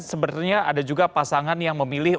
sebenarnya ada juga pasangan yang memilih